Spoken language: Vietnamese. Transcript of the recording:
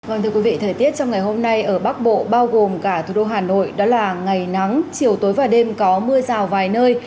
vâng thưa quý vị thời tiết trong ngày hôm nay ở bắc bộ bao gồm cả thủ đô hà nội đó là ngày nắng chiều tối và đêm có mưa rào vài nơi